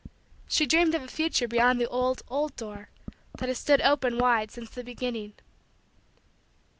She dreamed of a future beyond the old, old, door that has stood open wide since the beginning.